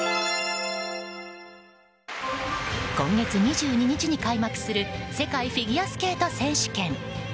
今月２２日に開幕する世界フィギュアスケート選手権。